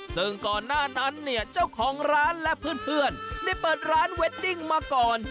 ซึ่งก่อนหน้านั้นเนี่ยเจ้าของร้านและเพื่อนได้เปิดร้านเวดดิ้งมาก่อน